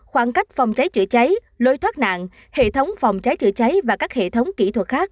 khoảng cách phòng cháy chữa cháy lối thoát nạn hệ thống phòng cháy chữa cháy và các hệ thống kỹ thuật khác